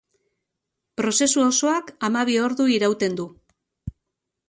Prozesu osoak hamabi ordu irauten du.